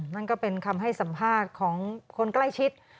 นั่นก็เป็นคำให้สัมภาษณ์ของคนใกล้ชิด